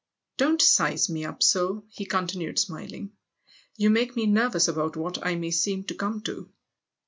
Don't size me up' so," he continued smiling; "you lake me nervous about what I may seem to come to!"